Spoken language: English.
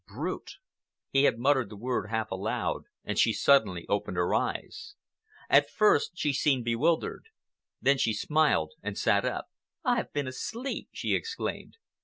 Brute! He had muttered the word half aloud and she suddenly opened her eyes. At first she seemed bewildered. Then she smiled and sat up. "I have been asleep!" she exclaimed.